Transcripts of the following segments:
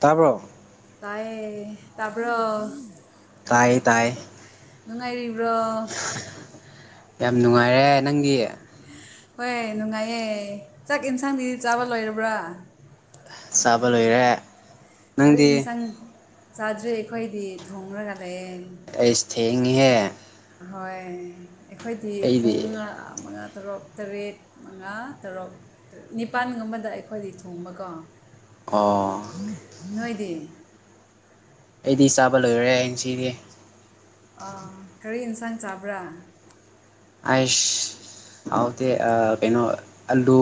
ꯇꯥꯕ꯭ꯔꯣ ꯇꯥꯏꯌꯦ ꯇꯥꯕ꯭ꯔꯣ ꯇꯥꯏꯌꯦ ꯇꯥꯏꯌꯦ ꯅꯨꯡꯉꯥꯏꯔꯤꯕ꯭ꯔꯣ ꯌꯥꯝ ꯅꯨꯡꯉꯥꯏꯔꯦ ꯅꯪꯒꯤ ꯍꯣꯏ ꯅꯨꯡꯉꯥꯏꯌꯦ ꯆꯥꯛ ꯌꯦꯟꯁꯥꯡꯗꯤ ꯆꯥꯕ ꯂꯣꯏꯔꯕ꯭ꯔꯥ ꯆꯥꯕ ꯂꯣꯏꯔꯦ ꯀꯔꯤ ꯅꯪꯗꯤ ꯌꯦꯟꯁꯥꯡ ꯆꯥꯗ꯭ꯔꯤ ꯑꯩꯈꯣꯏꯗꯤ ꯊꯣꯡꯂꯒ ꯂꯩꯌꯦ ꯑꯩꯁ ꯊꯦꯡꯉꯤꯍꯦ ꯍꯣꯏ ꯑꯩꯈꯣꯏꯗꯤ ꯑꯩꯗꯤ ꯄꯨꯡ ꯃꯉꯥ ꯇꯔꯨꯛ ꯇꯔꯦꯠ ꯃꯉꯥ ꯇꯔꯨꯛ ꯅꯤꯄꯥꯟꯒꯨꯝꯕꯗ ꯑꯩꯈꯣꯏꯗꯤ ꯊꯣꯡꯕꯀꯣ ꯑꯣ ꯅꯣꯏꯗꯤ ꯑꯩꯗꯤ ꯆꯥꯕ ꯂꯣꯏꯔꯦ ꯑꯩꯩ ꯉꯁꯤꯗꯤ ꯑ ꯀꯔꯤ ꯏꯟꯁꯥꯡ ꯆꯥꯕ꯭ꯔꯥ ꯑꯥꯏꯁ ꯍꯥꯎꯇꯦ ꯑ ꯀꯩꯅꯣ ꯑꯂꯨ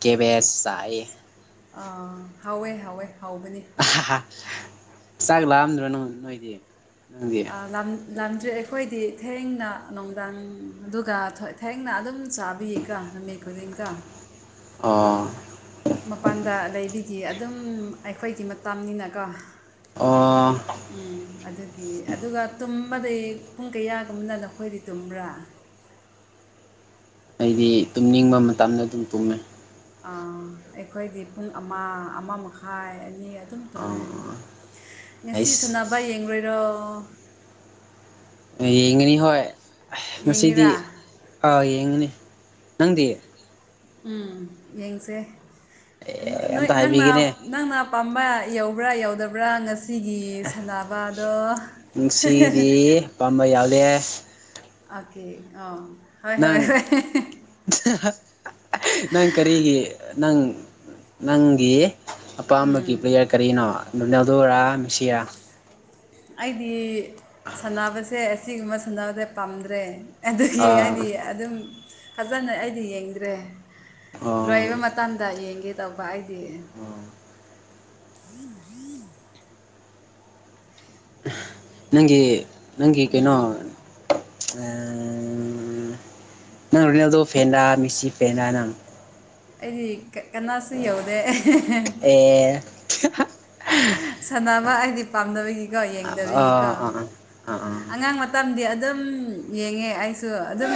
ꯀꯦꯕꯦꯖ ꯆꯥꯏ ꯑ ꯍꯥꯎꯋꯦ ꯍꯥꯎꯋꯦ ꯍꯥꯎꯕꯅꯤ ꯆꯥꯛ ꯂꯥꯛꯑꯝꯗ꯭ꯔꯣ ꯅꯪ ꯅꯣꯏꯗꯤ ꯅꯪꯗꯤ ꯑ ꯂꯥꯝ ꯂꯥꯝꯗ꯭ꯔꯦ ꯑꯩꯈꯣꯏꯗꯤ ꯊꯦꯡꯅ ꯅꯨꯡꯗꯥꯡ ꯑꯗꯨꯒ ꯊꯦꯡꯅ ꯑꯗꯨꯝ ꯆꯥꯕꯤꯌꯦꯀꯣ ꯅꯨꯃꯤꯠ [unintelligible] ꯑꯣ ꯃꯄꯥꯟꯗ ꯂꯩꯕꯒꯤ ꯑꯗꯨꯝ ꯑꯩꯈꯣꯏꯒꯤ ꯃꯇꯝꯅꯤꯅꯀꯣ ꯑꯣ ꯎꯝ ꯑꯗꯨꯒꯤ ꯑꯗꯨꯒ ꯇꯨꯝꯕꯗ ꯄꯨꯡ ꯀꯌꯥꯒꯨꯝꯕꯗ ꯅꯈꯣꯏꯗꯤ ꯇꯨꯝꯕ꯭ꯔꯥ ꯑꯩꯗꯤ ꯇꯨꯝꯅꯤꯡꯕ ꯃꯇꯝꯗ ꯑꯗꯨꯝ ꯇꯨꯝꯃꯦ ꯑ ꯑꯩꯈꯣꯏꯗꯤ ꯄꯨꯡ ꯑꯃ ꯑꯃ ꯃꯈꯥꯏ ꯑꯅꯤ ꯑꯗꯨꯝ ꯇꯨꯝꯃꯦ ꯉꯁꯤ ꯑꯩꯁ ꯁꯥꯟꯅꯕ ꯌꯦꯡꯗꯣꯏꯔꯣ ꯌꯦꯡꯒꯅꯤ ꯍꯣꯏ ꯉꯁꯤꯗꯤ ꯌꯦꯡꯒꯦꯔꯥ ꯑꯥ ꯌꯦꯡꯒꯅꯤ ꯅꯪꯗꯤ ꯎꯝ ꯌꯦꯡꯁꯦ ꯑꯦ ꯅꯣꯏ ꯑꯝꯇ ꯅꯪꯅ ꯍꯥꯏꯕꯤꯒꯦꯅꯦ ꯅꯪꯅ ꯄꯥꯝꯕ ꯌꯧꯕ꯭ꯔꯥ ꯌꯧꯗꯕ꯭ꯔꯥ ꯉꯁꯤꯒꯤ ꯁꯥꯟꯅꯕꯗꯣ ꯉꯁꯤꯒꯤꯗꯤ ꯄꯥꯝꯕ ꯌꯥꯎꯗꯦ ꯑꯣꯀꯦ ꯑ ꯍꯣꯏ ꯍꯣꯏ ꯅꯪ ꯍꯣꯏ ꯅꯪ ꯀꯔꯤꯒꯤ ꯅꯪ ꯅꯪꯒꯤ ꯑꯄꯥꯝꯕꯒꯤ ꯄ꯭ꯂꯦꯌꯔ ꯀꯔꯤꯅꯣ ꯔꯣꯅꯥꯜꯗꯣꯔꯥ ꯃꯦꯁꯤꯔꯥ꯫ ꯑꯩꯗꯤ ꯁꯥꯟꯅꯕꯁꯦ ꯑꯁꯤꯒꯨꯝꯕ ꯁꯥꯟꯅꯕꯁꯦ ꯄꯥꯝꯗ꯭ꯔꯦ꯫ ꯑꯗꯨꯒꯤ ꯑꯥ ꯑꯩꯗꯤ ꯑꯗꯨꯝ ꯐꯖꯅ ꯑꯩꯗꯤ ꯌꯦꯡꯗ꯭ꯔꯦ꯫ ꯑꯣ ꯂꯣꯏꯕ ꯃꯇꯝꯗ ꯌꯦꯡꯒꯦ ꯇꯧꯕ ꯑꯩꯗꯤ꯫ ꯅꯪꯒꯤ ꯅꯪꯒꯤ ꯀꯩꯅꯣ ꯑ ꯅꯪ ꯔꯤꯅꯥꯜꯗꯣ ꯐꯦꯟꯂꯥ ꯃꯦꯁꯤ ꯐꯦꯟꯂꯥ ꯅꯪ꯫ ꯑꯩꯗꯤ ꯀꯅꯥꯁꯨ ꯌꯧꯗꯦ ꯑꯦ꯫ ꯁꯥꯟꯅꯕ ꯑꯩꯗꯤ ꯄꯥꯝꯗꯕꯒꯤꯀꯣ ꯌꯦꯡ ꯑꯣ ꯑꯥ ꯑꯥ꯫ ꯑꯉꯥꯡ ꯃꯇꯝꯗꯤ ꯑꯗꯨꯝ ꯌꯦꯡꯉꯦ ꯑꯩꯁꯨ ꯑꯗꯨꯝ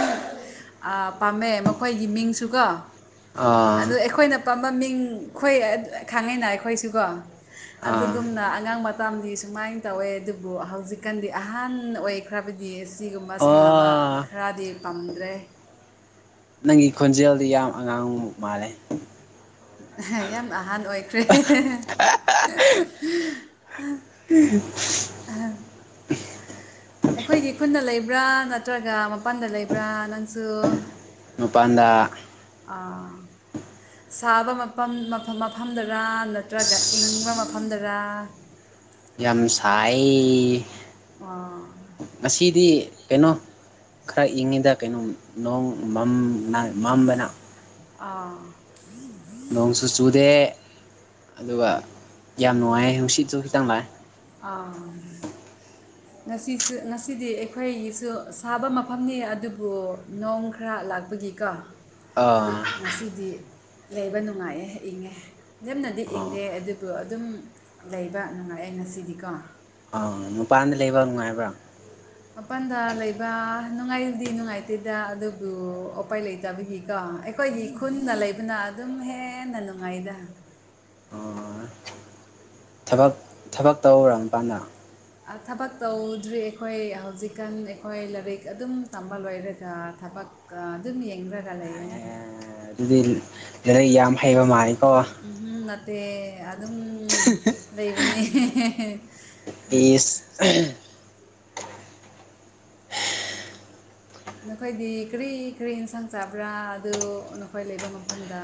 ꯑ ꯄꯥꯝꯃꯦ ꯃꯈꯣꯏꯒꯤ ꯃꯤꯡꯁꯨꯀꯣ ꯑꯥ ꯑꯗꯨ ꯑꯩꯈꯣꯏꯅ ꯄꯥꯝꯕ ꯃꯃꯤꯡ ꯑꯈꯣꯏ ꯈꯪꯉꯤꯅ ꯑꯩꯈꯣꯏꯁꯨꯀꯣ ꯑꯥ ꯑꯗꯨꯒꯨꯝꯅ ꯑꯉꯥꯡ ꯃꯇꯝꯗꯤ ꯁꯨꯃꯥꯏꯅ ꯇꯧꯋꯦ ꯑꯗꯨꯕꯨ ꯍꯧꯖꯤꯛꯀꯥꯟꯗꯤ ꯑꯍꯟ ꯑꯣꯏꯈ꯭ꯔꯕꯗꯤ ꯁꯤꯒꯨꯝꯕ ꯑꯣ ꯁꯥꯟꯅꯕ ꯈꯔꯗꯤ ꯄꯥꯝꯗ꯭ꯔꯦ꯫ ꯅꯪꯒꯤ ꯈꯣꯟꯖꯦꯜꯗꯤ ꯌꯥꯝ ꯑꯉꯥꯡ ꯃꯥꯜꯂꯦ꯫ ꯌꯥꯝ ꯑꯍꯟ ꯑꯣꯏꯈ꯭ꯔꯦ ꯎꯝ ꯑꯩꯈꯣꯏꯒꯤ ꯈꯨꯟꯗ ꯂꯩꯕ꯭ꯔꯥ ꯅꯠꯇ꯭ꯔꯒ ꯃꯄꯥꯟꯗ ꯂꯩꯕ꯭ꯔꯥ ꯅꯪꯁꯨ꯫ ꯃꯄꯥꯟꯗ꯫ ꯑꯥ꯫ ꯁꯥꯕ ꯃꯐꯝ ꯃꯐꯝ ꯃꯐꯝꯗꯔꯥ ꯅꯠꯇ꯭ꯔꯒ ꯏꯪꯕ ꯃꯐꯝꯗꯔ꯫ ꯌꯥꯝ ꯁꯥꯏ꯫ ꯑꯥ ꯉꯁꯤꯗꯤ ꯀꯩꯅꯣ ꯈꯔ ꯏꯪꯉꯤꯗ ꯀꯩꯅꯣꯝ ꯅꯣꯡ ꯃꯝ ꯃꯝꯕꯅꯥ ꯑꯥ꯫ ꯅꯣꯡꯁꯨ ꯆꯨꯗꯦ ꯑꯗꯨꯒ ꯌꯥꯝ ꯅꯨꯡꯉꯥꯏ ꯅꯨꯡꯁꯤꯠꯁꯨ ꯈꯤꯇꯪ ꯂꯥꯛꯑꯦ꯫ ꯑꯥ꯫ ꯉꯁꯤꯁꯨ ꯉꯁꯤꯗꯤ ꯑꯩꯈꯣꯏꯒꯤꯁꯨ ꯁꯥꯕ ꯃꯐꯝꯅꯤ ꯑꯗꯨꯕꯨ ꯅꯣꯡ ꯈꯔ ꯂꯥꯛꯄꯒꯤ ꯀꯣ ꯑꯥ꯫ ꯉꯁꯤꯗꯤ ꯂꯩꯕ ꯅꯨꯡꯉꯥꯏꯑꯦ ꯏꯪꯉꯦ ꯌꯥꯝꯅꯗꯤ ꯑꯥ ꯏꯪꯗꯦ ꯑꯗꯨꯕꯨ ꯑꯗꯨꯝ ꯂꯩꯕ ꯅꯨꯡꯉꯥꯏꯑ° ꯉꯁꯤꯗꯤꯀꯣ꯫ ꯎꯝ ꯃꯄꯥꯟꯗ ꯂꯩꯕ ꯅꯨꯡꯉꯥꯏꯕ꯭ꯔꯣ꯫ [unintelligible] ꯃꯄꯥꯟꯗ ꯂꯩꯕ ꯅꯨꯡꯉꯥꯏꯗꯤ ꯅꯨꯡꯉꯥꯏꯇꯦꯗ ꯑꯗꯨꯕꯨ ꯎꯄꯥꯏ ꯂꯩꯇꯕꯒꯤ ꯗꯣ ꯑꯩꯈꯣꯏꯒꯤ ꯈꯨꯟꯗ ꯂꯩꯕꯅ ꯑꯗꯨꯝ ꯍꯦꯟꯅ ꯅꯨꯡꯉꯥꯏꯗ꯫ ꯑꯥ ꯊꯕꯛ ꯊꯕꯛ ꯇꯧꯔꯕ ꯃꯄꯥꯟꯗ꯫ ꯑ ꯊꯕꯛ ꯇꯧꯗ꯭ꯔꯤ ꯑꯩꯈꯣꯏ ꯍꯧꯖꯤꯛꯀꯥꯟ ꯑꯩꯈꯣꯏ ꯂꯥꯏꯔꯤꯛ ꯑꯗꯨꯝ ꯇꯝꯕ ꯂꯣꯏꯔꯒ ꯊꯕꯛ ꯑ ꯑꯗꯨꯝ ꯌꯦꯡꯂꯒ ꯂꯩꯌ°꯫ ꯑꯦ ꯑꯗꯨꯗꯤ ꯂꯥꯏꯔꯤꯛ ꯌꯥꯝ ꯍꯩꯕ ꯃꯥꯜꯂꯤꯀꯣ꯫ ꯎꯝ ꯍꯨꯝ ꯅꯠꯇꯦ ꯑꯗꯨꯝ ꯂꯩꯕꯅꯤ ꯏꯁ ꯑꯝ꯫ ꯅꯈꯣꯏꯗꯤ ꯀꯔꯤ ꯀꯔꯤ ꯏꯟꯁꯥꯡ ꯆꯥꯕ꯭ꯔꯥ ꯑꯗꯨ ꯅꯈꯣꯏ ꯂꯩꯕ ꯃꯐꯝꯗ꯫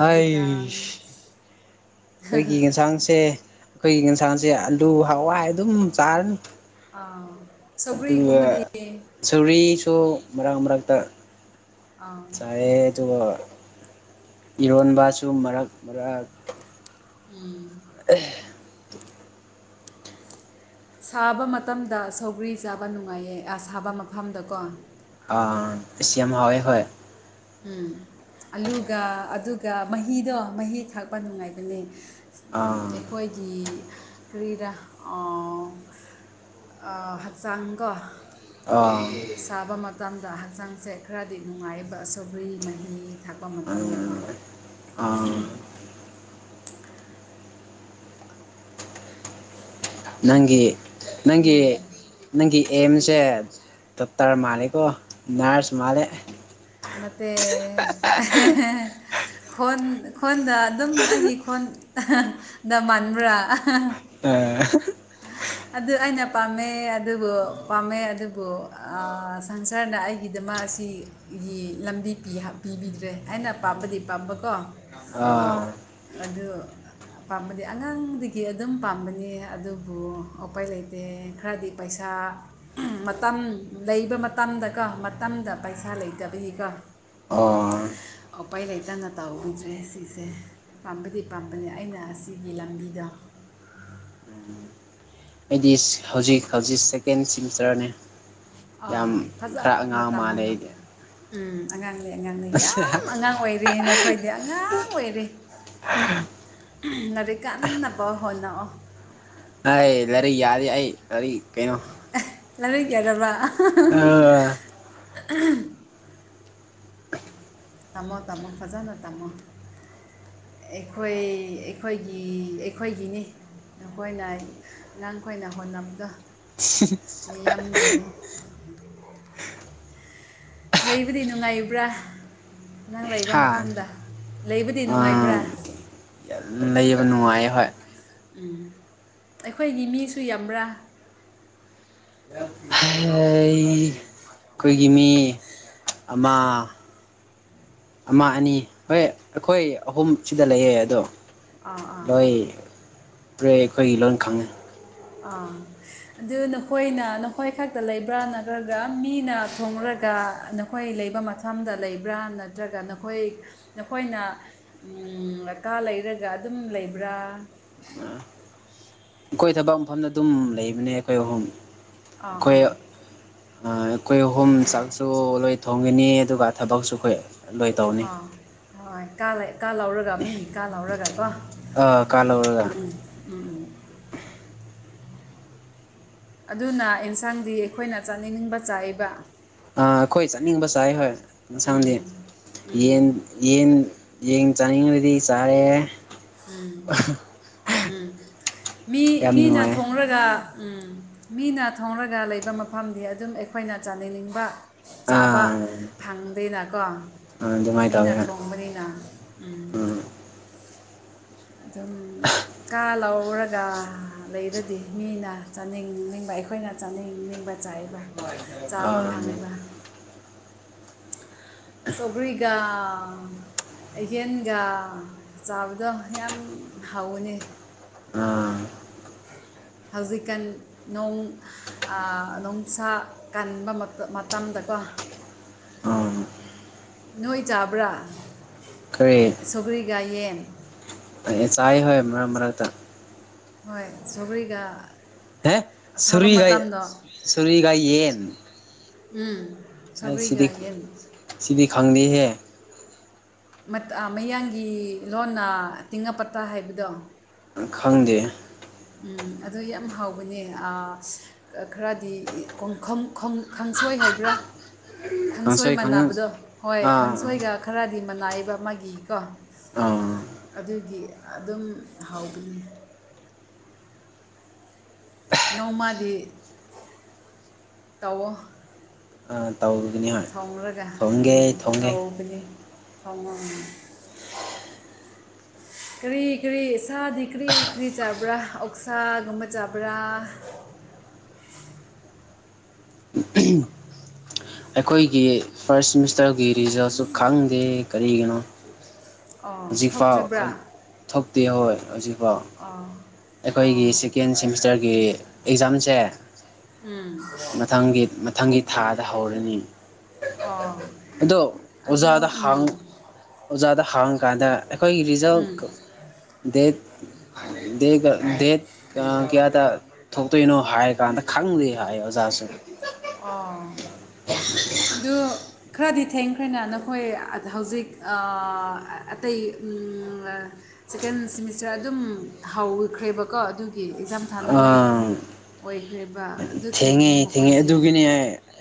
ꯍꯧꯖꯤꯛꯀꯥꯟ ꯑꯥꯏꯁ ꯑꯩꯈꯣꯏꯒꯤ ꯌꯦꯟꯁꯥꯡꯁꯦ꯫ ꯑꯩꯈꯣꯏꯒꯤ ꯌꯦꯟꯁꯥꯡꯁꯦ ꯑꯂꯨ ꯍꯋꯥꯏ ꯑꯗꯨꯝ ꯆꯥꯔꯅꯤ꯫ ꯑꯥ ꯑꯗꯨꯒ ꯁꯧꯒ꯭ꯔꯤꯒꯨꯝꯕꯗꯤ ꯁꯧꯒ꯭ꯔꯤꯁꯨ ꯃꯔꯛ ꯃꯔꯛꯇ ꯑꯥ ꯆꯥꯏꯑꯦ ꯑꯗꯨꯒ ꯏꯔꯣꯟꯕꯁꯨ ꯃꯔꯛ ꯃꯔꯛ ꯎꯝ ꯑꯦ꯫ ꯁꯥꯕ ꯃꯇꯝꯗ ꯁꯧꯒ꯭ꯔꯤ ꯆꯥꯕ ꯅꯨꯡꯉꯥꯏꯌꯦ ꯑ ꯁꯥꯕ ꯃꯐꯝꯗꯀꯣ꯫ ꯑꯥ ꯑꯁ ꯌꯥꯝ ꯍꯥꯎꯋꯦ ꯍꫭꯏ꯫ ꯎꯝ ꯑꯂꯨꯒ ꯑꯗꯨꯒ ꯃꯍꯤꯗꯣ ꯃꯍꯤ ꯊꯥꯛꯄ ꯅꯨꯡꯉꯥꯏꯕꯅꯦ꯫ ꯑꯥ ꯑꯩꯈꯣꯏꯒꯤ ꯀꯥꯔꯤꯔ ꯑꯥ ꯑ ꯍꯛꯆꯥꯡꯀꯣ ꯑꯥ ꯁꯥꯕ ꯃꯇꯝꯗ ꯍꯛꯆꯥꯡꯁꯦ ꯈꯔꯗꯤ ꯅꯨꯡꯉꯥꯏ ꯁꯧꯒ꯭ꯔꯤ ꯃꯍꯤ ꯊꯥꯛꯄ ꯎꯝ ꯃꯇꯝꯗꯀꯣ ꯑꯥ ꯅꯪꯒꯤ ꯅꯪꯒꯤ ꯅꯪꯒꯤ ꯑꯦꯝꯁꯦ ꯗꯣꯛꯇꯔ ꯃꯥꯜꯂꯦꯀꯣ ꯅꯔꯁ ꯃꯥꯜꯂꯦ ꯅꯠꯇꯦ ꯈꯣꯟ ꯈꯣꯟꯗ ꯑꯗꯨꯝ ꯑꯩꯒꯤ ꯈꯣꯟꯗ ꯃꯥꯟꯕ꯭ꯔꯥ꯫ ꯑꯥ ꯑ꯫ ꯑꯗꯨ ꯑꯩꯅ ꯄꯥꯝꯃꯦ ꯑꯗꯨꯕꯨ ꯄꯥꯝꯃꯦ ꯑꯗꯨꯕꯨ ꯑ ꯁꯪꯁꯥꯔꯅ ꯑꯩ ꯒꯤꯗꯃꯛ ꯑꯁꯤ ꯒꯤ ꯂꯝꯕꯤ ꯄꯤ ꯍꯥꯞꯄꯤꯕꯤꯗ꯭ꯔꯦ ꯑꯩꯅ ꯄꯥꯝꯕꯗꯤ ꯄꯥꯝꯕꯀꯣ ꯑꯥ ꯑꯗꯨ ꯄꯥꯝꯕꯗꯤ ꯑꯉꯥꯡꯗꯒꯤ ꯑꯗꯨꯝ ꯄꯥꯝꯕꯅꯤ ꯑꯗꯨ ꯕꯨ ꯎꯄꯥꯏ ꯂꯩꯇꯦ ꯈꯔꯗꯤ ꯄꯩꯁꯥ ꯃꯇꯝ ꯂꯩꯕ ꯃꯇꯝꯗꯀꯣ ꯃꯇꯝꯗ ꯄꯩꯁꯥ ꯂꯩꯇꯕꯒꯤꯀꯣ ꯑꯥ ꯎꯄꯥꯏ ꯂꯩꯇꯥꯅ ꯇꯧꯍꯧꯗ꯭ꯔꯦ ꯁꯤꯁꯦ ꯄꯥꯝꯕꯗꯤ ꯄꯥꯝꯕꯅꯦ ꯑꯩꯅ ꯑꯁꯤꯒꯤ ꯂꯝꯕꯤꯗ ꯑꯩꯗꯤ ꯍꯧꯖꯤꯛ ꯍꯧꯖꯤꯛ ꯁꯦꯀꯦꯟ ꯁꯦꯃꯤꯁꯇ꯭ꯔꯅꯦ꯫ ꯑꯥ ꯌꯥꯝ ꯈꯔ ꯐꯖꯅ ꯑꯉꯥꯡ ꯇꯝꯃꯣ ꯃꯥꯜꯂꯦ ꯑꯩꯗꯤ ꯎꯝ ꯑꯉꯥꯡꯅꯦ ꯑꯉꯥꯡꯅꯦ ꯌꯥꯝ ꯑꯉꯥꯡ ꯑꯣꯏꯔꯤꯅ ꯈꯣꯏꯗꯤ ꯑꯉꯥꯡ ꯑꯣꯏꯔꯦ ꯂꯥꯔꯤꯛ ꯀꯟꯅꯕ ꯍꯣꯠꯅꯧꯑꯣ ꯍꯥꯏ ꯂꯥꯏꯔꯤꯛ ꯌꯥꯔꯦ ꯑꯩ ꯂꯥꯏꯔꯤꯛ ꯀꯩꯅꯣ ꯑꯦ ꯂꯥꯏꯔꯤꯛ ꯌꯥꯗꯕ ꯑꯥ ꯇꯝꯃꯣ ꯇꯝꯃꯣ ꯐꯖꯅ ꯇꯝꯃꯣ ꯑꯩꯈꯣꯏ ꯑꯩꯈꯣꯏꯒꯤ ꯑꯩꯈꯣꯏꯒꯤꯅꯤ ꯅꯈꯣꯏꯅ ꯅꯪꯈꯣꯏꯅ ꯍꯣꯠꯅꯕꯗꯣ ꯃꯤꯌꯥꯝꯒꯤꯅꯤ ꯂꯩꯕꯗꯤ ꯅꯨꯡꯉꯥꯏꯌꯨꯕ꯭ꯔꯥ ꯅꯪ ꯂꯩꯏꯕ ꯍꯥ ꯃꯐꯝꯗ ꯂꯩꯕꯗꯤ ꯑꯥ ꯅꯨꯡꯉꯥꯏꯕ꯭ꯔꯥ [unintelligible] ꯂꯩꯕ ꯅꯨꯡꯉꯥꯏꯌꯦ ꯍꯣꯏ ꯎꯝ ꯑꯩꯈꯣꯏꯒꯤ ꯃꯤꯁꯨ ꯌꯥꯝꯕ꯭ꯔꯥ ꯎ [inaudible] ꯑꯩꯈꯣꯏꯒꯤ ꯃꯤ ꯑꯃꯥ ꯑꯃ ꯑꯅꯤ ꯍꯣꯏ ꯑꯩꯈꯣꯏ ꯑꯍꯨꯝ ꯁꯤꯗ ꯂꯩꯌꯦ ꯑꯗꯣ ꯑꯥ ꯑꯥ ꯂꯣꯏ ꯄ꯭ꯔꯦ ꯑꯩꯈꯣꯏꯒꯤ ꯂꯣꯟ ꯈꯪꯉꯦ ꯑꯥ ꯑꯗꯨ ꯅꯈꯣꯏꯅ ꯅꯈꯣꯏ ꯈꯛꯇ ꯂꯩꯕ꯭ꯔꯥ ꯅꯠꯇ꯭ꯔꯒ ꯃꯤꯅ ꯊꯣꯔꯒ ꯅꯣ ꯈꯣꯏ ꯂꯩꯕ ꯃꯊꯝꯗ ꯂꯩꯕ꯭ꯔꯥ ꯅꯠꯇ꯭ꯔꯒ ꯅꯈꯣꯏ ꯅꯈꯣꯏꯅ ꯎꯝ ꯑꯀꯥ ꯂꯩꯔꯒ ꯑꯗꯨꯝ ꯂꯩꯕ꯭ꯔꯥ [unintelligible] ꯑꯩꯈꯣꯏ ꯊꯕꯛ ꯃꯐꯝꯗ ꯑꯗꯨꯝ ꯂꯩꯕꯅꯦ ꯑꯩꯈꯣꯏ ꯑꯍꯨꯝ ꯑꯥ ꯑꯩꯈꯣꯏ ꯑꯥ ꯑ ꯑꯩꯈꯣꯏ ꯑꯍꯨꯝ ꯆꯥꯛꯁꯨ ꯂꯣꯏ ꯊꯣꯡꯒꯅꯤ ꯑꯗꯨꯒ ꯊꯕꯛꯁꯨ ꯑꯩꯈꯣꯏ ꯂꯣꯏ ꯇꯧꯅꯤ ꯑꯥ ꯍꯣꯏ ꯀꯥ ꯂꯩ ꯀꯥ ꯂꯧꯔꯒ ꯃꯤꯒꯤ ꯀꯥ ꯂꯧꯔꯒ ꯀꯣ ꯑ ꯀꯥ ꯂꯧꯔꯒꯅꯦ ꯎꯝ ꯑꯗꯨꯅ ꯑꯦꯟꯁꯥꯡꯗꯤ ꯑꯩꯈꯣꯏꯅ ꯆꯥꯅꯤꯅꯤꯡꯕ ꯆꯥꯏꯌꯦꯕ ꯑꯩꯈꯣꯏ ꯆꯠꯅꯤꯡꯕ ꯆꯥꯏ ꯍꯣꯏ ꯏꯟꯁꯥꯡꯗꯤ ꯎꯝ ꯎꯝ ꯌꯦꯟ ꯌꯦꯟ ꯌꯦꯟ ꯆꯥꯅꯤꯡꯂꯗꯤ ꯎꯝ ꯎꯝ ꯃꯤ ꯌꯥꯝ ꯃꯤꯅ ꯅꯨꯡꯉꯥꯏ ꯊꯣꯡꯔ ꯒ ꯃꯤꯅ ꯊꯣꯡꯔꯒ ꯂꯩꯕ ꯃꯐꯝꯗꯤ ꯑꯗꯨꯝ ꯑꯩꯈꯣꯏꯅ ꯆꯥꯅꯅꯤꯡꯕ ꯆꯥꯕ ꯑꯥ ꯐꯪꯗꯦꯅꯀꯣ ꯑꯗꯨꯃꯥꯏꯅ ꯃꯤꯅ ꯇꯧꯋꯦ ꯍꯣꯏ ꯊꯣꯡꯕꯅꯤꯅ ꯎꯝ ꯑꯗꯨꯝ ꯀꯥ ꯂꯧꯔꯒ ꯂꯩꯔꯗꯤ ꯃꯤꯅ ꯆꯥꯅꯤꯡꯅꯤꯡꯕ ꯑꯩꯈꯣꯏꯅ ꯆꯥꯅꯤꯡꯅꯤꯡꯕ ꯆꯥꯏꯕ ꯆꯥꯕ ꯑꯥ ꯐꯪꯉꯦꯕ ꯁꯣꯒ꯭ꯔꯤꯒ ꯑꯍꯦꯟꯒ ꯆꯥꯕꯗꯣ ꯌꯥꯝ ꯍꯥꯎꯋꯅꯤ ꯑꯥ ꯍꯧꯖꯤꯛꯀꯥꯟ ꯅꯣꯡ ꯑ ꯅꯣꯡꯁꯥ ꯀꯟꯕ ꯃꯇ ꯃꯇꯝꯗꯀꯣ ꯑꯥ ꯅꯣꯏ ꯆꯥꯕ꯭ꯔꯥ ꯀꯔꯤ ꯁꯧꯒ꯭ꯔꯤꯒ ꯌꯦꯟ ꯌꯦ ꯆꯥꯏ ꯍꯣꯏ ꯃꯔꯛ ꯃꯔꯛꯇ ꯍꯣꯏ ꯁꯣꯒ꯭ꯔꯤꯒ ꯑꯦ ꯁꯨꯔꯤꯒ ꯁꯨꯔꯤꯒ ꯌꯦꯟ ꯎꯝ ꯑꯩ ꯁꯧꯒ꯭ꯔꯤꯒ ꯁꯤꯗꯤ ꯌꯦꯟ ꯁꯤꯗꯤ ꯈꯪꯗꯦꯍꯦ ꯃꯠ ꯑ ꯃꯌꯥꯡꯒꯤ ꯂꯣꯟꯅ ꯇꯤꯡꯉꯥ ꯄꯇꯥ ꯍꯥꯏꯕꯗꯣ ꯈꯪꯗꯦ ꯎꯝ ꯑꯗꯨ ꯌꯥꯝ ꯍꯥꯎꯕꯅꯦ ꯑ ꯈꯔꯗꯤ ꯈꯪ ꯈꯪ ꯈꯪ ꯈꯪꯁꯣꯏ ꯍꯥꯏꯕ꯭ꯔꯥ ꯈꯪꯁꯣꯏ ꯀꯥꯡꯁꯣꯏ ꯈꯪ ꯃꯥꯟꯅꯕꯗꯣ ꯍꯣꯏ ꯑꯥ ꯈꯪꯁꯣꯏꯒ ꯈꯔꯗꯤ ꯃꯅꯥꯏꯌꯦꯕ ꯃꯥꯒꯤ ꯀꯣ ꯑꯥ ꯑꯗꯨꯒꯤ ꯑꯗꯨꯝ ꯍꯥꯎꯕꯅꯤ ꯅꯣꯡꯃꯗꯤ ꯇꯧꯋꯣ ꯑꯥ ꯇꯧꯕꯗꯤꯅꯤ ꯊꯣꯡꯔꯒ ꯎꯝ ꯍꯥꯎꯕꯅꯤ ꯊꯣꯡꯉꯣ [unintelligible] ꯀꯔꯤ ꯀꯔꯤ ꯁꯥꯗꯤ ꯀ꯭ꯔꯤ ꯀ꯭ꯔꯤ ꯆꯥꯕ꯭ꯔꯥ ꯑꯣꯛꯁꯥꯒꯨꯝꯕ ꯆꯥꯕ꯭ꯔꯥ [unintelligible] ꯑꯩꯈꯣꯏꯒꯤ ꯐꯥꯔ꯭ꯁ ꯁꯤꯃꯤꯁꯇꯔꯒꯤ ꯔꯤꯖꯜꯠꯁꯨ ꯈꯪꯗꯦ ꯀꯔꯤꯒꯤꯅꯣ? ꯑꯣ ꯍꯧꯖꯤꯛꯐꯥꯎ ꯊꯣꯛꯇ꯭ꯔꯤꯕ꯭ꯔꯥ ꯊꯣꯛꯇꯦ ꯍꯣꯏ ꯍꯧꯖꯤꯛ ꯑꯣꯕꯣ ꯑꯣ ꯑꯩꯈꯣꯏꯒꯤ ꯑꯣ ꯁꯦꯀꯦꯟ ꯁꯦꯃꯤꯁꯇꯔꯒꯤ ꯑꯦꯛꯖꯥꯝꯁꯦ ꯎꯝ ꯃꯊꯪꯒꯤ ꯃꯊꯪꯒꯤ ꯊꯥꯗ ꯍꯧꯔꯅꯤ ꯑꯣ ꯑꯗꯣ ꯑꯗꯣ ꯑꯣꯖꯥꯗ ꯍꯥꯡ ꯎꯝ ꯑꯣꯖꯥꯗ ꯍꯥꯡ ꯀꯥꯟꯗ ꯑꯩꯈꯣꯏꯒꯤ ꯔꯤꯖꯜ ꯎꯝ ꯗꯦꯠ ꯗꯒ ꯗꯦꯠ ꯀꯌꯥ ꯗ ꯊꯣꯛꯇꯣꯏꯅꯣ ꯍꯥꯏꯔ ꯀꯥꯟꯗ ꯈꯪꯗꯦ ꯍꯥꯏ ꯑꯣꯖꯥꯁꯨ ꯑꯥ ꯑꯗꯨ ꯈꯔꯗꯤ ꯊꯦꯡꯈ꯭ꯔꯦꯅꯦ ꯅꯈꯣꯏ ꯍꯧꯖꯤꯛ ꯑ ꯑꯇꯩ ꯎꯝ ꯁꯦꯀꯦꯟ ꯁꯤꯃꯤꯁꯇꯔ ꯑꯗꯨꯝ ꯍꯧꯥꯎꯈ꯭ꯔꯦꯕꯀꯣ ꯑꯗꯨꯒꯤ ꯏꯛꯖꯝ ꯊꯥꯅꯤꯡꯉꯥꯏ ꯑꯥ ꯑꯣꯏꯈ꯭ꯔꯤꯕ ꯊꯦꯡꯉꯦ ꯊꯦꯡꯉꯦ ꯑꯗꯨꯒꯤꯅꯦ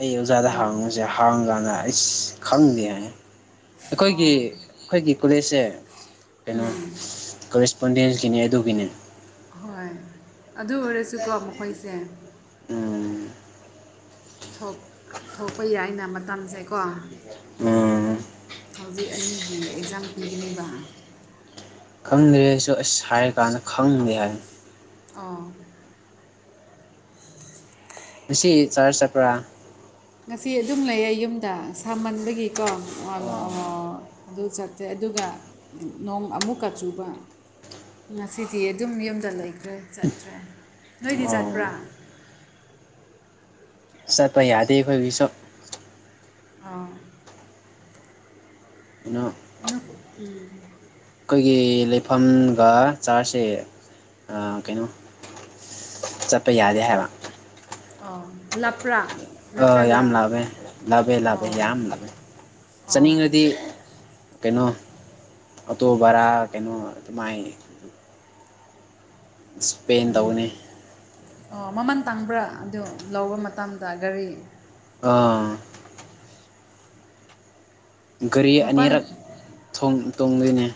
ꯑꯩ ꯑꯣꯖꯥꯗ ꯎꯝ ꯍꯥꯉꯨꯁꯦ ꯍꯪꯀꯥꯟꯗ ꯑꯩꯁ ꯈꯪꯗꯦ ꯍꯥꯏ ꯑꯩꯈꯣꯏꯒꯤ ꯑꯣ ꯑꯩꯈꯣꯏꯒꯤ ꯀꯣꯂꯦꯖꯁꯦ ꯀꯩꯅꯣ ꯀꯣꯔꯦꯁꯄꯣꯟꯗꯦꯟꯁꯀꯤꯅꯦ ꯑꯗꯨꯒꯤꯅꯦ ꯍꯣꯏ ꯑꯗꯨ ꯑꯣꯏꯔꯁꯨꯀꯣ ꯃꯈꯣꯏꯁꯦ ꯎꯝ ꯊꯣꯛꯄ ꯌꯥꯏꯅ ꯃꯇꯝꯁꯦ ꯀꯣ ꯎꯝ ꯍꯧꯖꯤꯛ ꯑꯅꯤꯒꯤ ꯑꯦꯛꯖꯥꯝ ꯄꯤꯒꯅꯦꯕ ꯈꯪꯗ꯭ꯔꯦꯁꯨ ꯑꯁ ꯍꯥꯏꯔ ꯀꯥꯟꯗ ꯈꯪꯗꯦ ꯍꯥꯏꯅ ꯑꯣ ꯉꯁꯤ ꯆꯔꯆ ꯆꯠꯄ꯭ꯔꯥ ꯉꯁꯤ ꯑꯗꯨꯝ ꯂꯩꯌꯦ ꯌꯨꯝꯗ ꯁꯥꯃꯟꯕꯒꯤꯀꯣ ꯑꯣ ꯑꯗꯨ ꯆꯠꯇꯔꯦ ꯑꯗꯨꯒ ꯅꯣꯡ ꯑꯃꯨꯛꯀ ꯆꯨꯕ ꯉꯁꯤꯗꯤ ꯑꯗꯨꯝ ꯌꯨꯝꯗ ꯂꯩꯈ꯭ꯔꯦ ꯆꯠꯇ꯭ꯔꯦ ꯅꯣꯏꯗꯤ ꯑꯣ ꯆꯠꯄ꯭ꯔꯥ ꯆꯠꯄ ꯌꯥꯗꯦ ꯑꯩꯈꯣꯏꯒꯤ ꯁꯨ ꯑꯥ ꯑ [unintelligible] ꯅꯕꯨ ꯎ ꯑꯩꯈꯣꯏꯒꯤ ꯂꯩꯐꯝꯒ ꯆꯥꯔꯖꯁꯦ ꯑ ꯀꯩꯅꯣ ꯆꯠꯄ ꯌꯥꯗꯦ ꯍꯥꯏꯕ ꯑ ꯂꯥꯞꯄ꯭ꯔꯥ? ꯑ ꯌꯥꯝ ꯅꯠꯇ꯭ꯔꯒ ꯂꯥꯞꯄꯦ ꯂꯥꯞꯄꯦ ꯂꯥꯞꯄꯦ ꯌꯥꯝ ꯂꯥꯞꯄꯦ ꯑ ꯆꯠꯅꯤꯡꯉꯗꯤ ꯀꯩꯅꯣ ꯑꯣꯇꯣ ꯚꯥꯔꯥ ꯀꯩꯅꯣ ꯑꯗꯨ ꯃꯥꯏ ꯏꯁꯄꯦꯟ ꯎꯝ ꯇꯧꯅꯤ ꯑꯣ ꯃꯃꯟ ꯇꯥꯡꯕ꯭ꯔꯥ ꯑꯗꯨ ꯂꯧꯕ ꯃꯇꯝꯗ ꯒꯥꯔꯤ ꯑꯥ ꯒꯥꯔꯤ ꯃꯄꯥꯟ ꯑꯅꯤꯔꯛ ꯇꯣꯡꯗꯣꯏꯅꯦ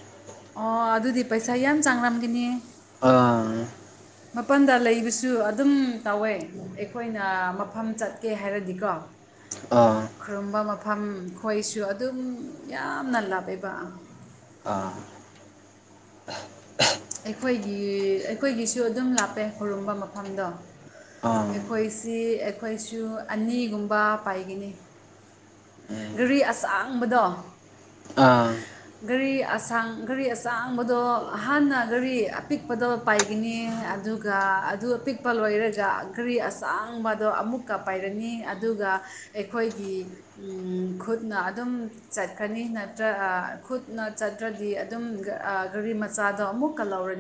ꯑꯣ ꯑꯗꯨꯗꯤ ꯄꯩꯁꯥ ꯌꯥꯝ ꯆꯡꯂꯝꯒꯅꯤ ꯑꯥ ꯃꯄꯟꯗ ꯂꯩꯕꯁꯨ ꯑꯗꯨꯝ ꯇꯧꯋꯦ ꯑꯩꯈꯣꯏꯅ ꯃꯐꯝ ꯆꯠꯀꯦ ꯍꯥꯏꯔꯗꯤꯀꯣ ꯑꯥ ꯈꯨꯔꯨꯝꯕ ꯃꯐꯝ ꯈꯣꯏꯁꯨ ꯑꯗꯨꯝ ꯌꯥꯝꯅ ꯂꯥꯞꯄ‌ꯦꯕ ꯑꯥ ꯑꯩꯈꯣꯏꯒꯤ ꯑꯩꯈꯣꯏꯒꯤꯁꯨ ꯑꯗꯨꯝ ꯂꯥꯞꯄꯦ ꯈꯨꯔꯨꯝꯕ ꯃꯐꯝꯗꯣ ꯑꯥ ꯎꯝ ꯑꯩꯈꯣꯏꯁꯤ ꯑꯩꯈꯣꯏꯁꯨ ꯑꯅꯤꯒꯨꯝꯕ ꯄꯥꯏꯒꯅꯤ ꯒꯥꯔꯤ ꯑꯁꯥꯡꯕꯗꯣ ꯑꯥ ꯒꯥꯔꯤ ꯑꯁꯥꯡ ꯒꯥꯔꯤ ꯑꯁꯥꯡꯕꯗꯣ ꯍꯥꯟꯅ ꯒꯥꯔꯤ ꯑꯄꯤꯛꯄꯗꯣ ꯄꯥꯏꯒꯅꯤ ꯑꯗꯨꯒ ꯑꯗꯨ ꯑꯄꯤꯛꯄ ꯂꯣꯏꯔꯒ ꯒ꯭ꯥꯔꯤ ꯑꯁꯥꯡꯕꯗꯣ ꯑꯃꯨꯛ ꯀ ꯄꯥꯏꯔꯅꯤ ꯑꯗꯨꯒ ꯑꯩꯈꯣꯏꯒꯤ ꯎꯝ ꯈꯨꯠꯅ ꯑꯗꯨꯝ ꯆꯠꯈꯔꯅꯤ ꯅꯠꯇ꯭ꯔ ꯑ ꯈꯨꯠꯅ ꯆꯠꯇ꯭ꯔꯗꯤ ꯑꯗꯨꯝ ꯑ ꯒꯔꯤ ꯃꯆꯥꯗꯣ ꯑꯃꯨꯛꯀ ꯂꯧꯔꯅꯤ